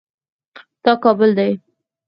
دا کابل دی